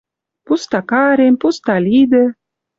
Пуста карем, пуста лидӹ